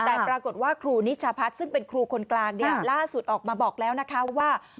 แต่ปรากฏว่าครูนิชาพัฒน์ซึ่งเป็นครูคนกลางเนี่ยล่าสุดออกมาบอกแล้วนะคะว่า